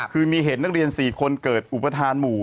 คือมีเหตุนักเรียน๔คนเกิดอุปทานหมู่